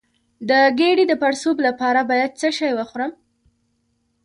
د ګیډې د پړسوب لپاره باید څه شی وخورم؟